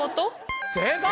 正解！